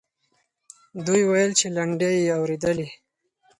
دوی وویل چې لنډۍ یې اورېدلې.